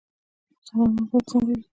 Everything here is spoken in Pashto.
څارنوال باید څنګه وي؟